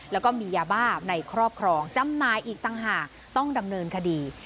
แล้วก็มียาบ้าในครอบครองจำหน่ายอีกต่างหากต้องดำเนินคดี